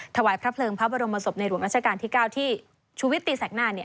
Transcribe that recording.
ถวายพระเพลิงพระบรมศพในหลวงราชการที่๙ที่ชุวิตตีแสกหน้า